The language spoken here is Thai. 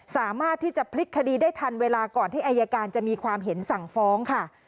สามารถที่จะพลิกคดีได้ทันเวลาก่อนที่อายการจะมีความเห็นสั่งฟ้องค่ะ